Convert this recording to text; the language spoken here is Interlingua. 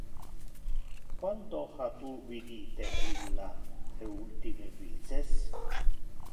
Quando ha tu vidite illa le ultime vices?